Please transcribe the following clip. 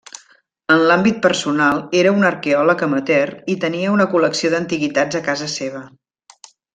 En l'àmbit personal era un arqueòleg amateur i tenia una col·lecció d'antiguitats a casa seva.